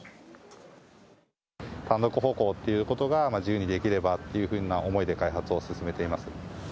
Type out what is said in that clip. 単独歩行ということが自由にできればというふうな思いで開発を進めています。